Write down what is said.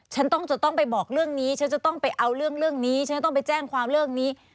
ฉันต้องจะต้องไปบอกเรื่องนี้ฉันจะต้องไปเอาเรื่องนี้ฉันจะต้องไปแจ้งความเรื่องนี้